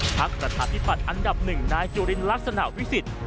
พักภัทรภิพัฒน์อันดับหนึ่งนายโจรินลักษณะวิสิทธิ์